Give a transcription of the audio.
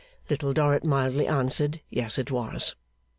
Little Dorrit mildly answered, yes it was.